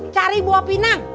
cari buah pinang